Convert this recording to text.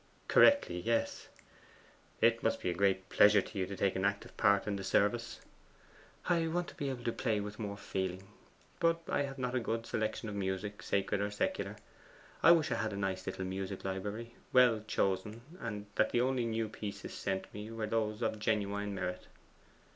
'Correctly yes.' 'It must be a great pleasure to you to take an active part in the service.' 'I want to be able to play with more feeling. But I have not a good selection of music, sacred or secular. I wish I had a nice little music library well chosen, and that the only new pieces sent me were those of genuine merit.